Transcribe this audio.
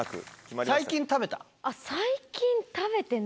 最近食べた？